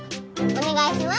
お願いします！